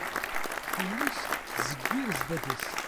Times tzewwir sdat-s.